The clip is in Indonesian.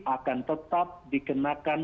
akan tetap dikenakan